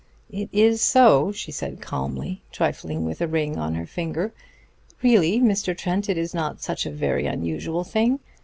"It is so," she said calmly, trifling with a ring on her finger. "Really, Mr. Trent, it is not such a very unusual thing....